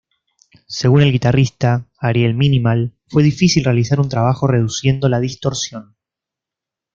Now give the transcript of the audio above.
Según el guitarrista, Ariel Minimal, fue difícil realizar un trabajo reduciendo la distorsión.